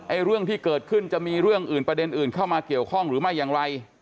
เรื่องที่เกิดขึ้นจะมีเรื่องอื่นประเด็นอื่นเข้ามาเกี่ยวข้องหรือไม่อย่างไร